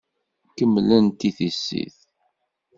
Kemmlent i tissit.